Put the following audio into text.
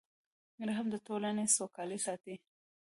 رحم د ټولنې سوکالي ساتي.